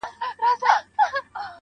ځمه له روحه مي بدن د گلبدن را باسم